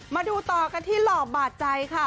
มาดูต่อกันที่หล่อบาดใจค่ะ